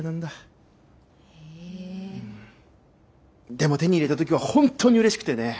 でも手に入れた時は本当にうれしくてね